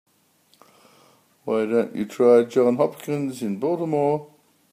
Why don't you try Johns Hopkins in Baltimore?